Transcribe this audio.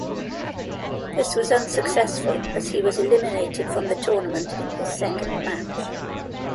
This was unsuccessful as he was eliminated from the tournament in his second match.